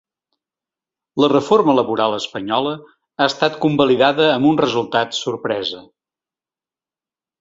La reforma laboral espanyola ha estat convalidada amb un resultat sorpresa.